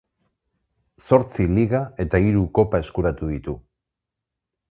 Zortzi liga eta hiru kopa eskuratu ditu.